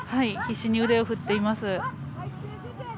必死に腕を振っています。